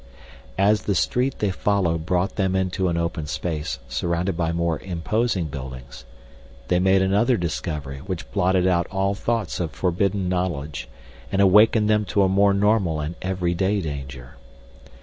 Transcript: As the street they followed brought them into an open space surrounded by more imposing buildings, they made another discovery which blotted out all thoughts of forbidden knowledge and awakened them to a more normal and everyday danger.